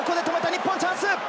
日本チャンス！